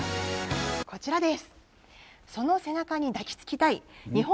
こちらです。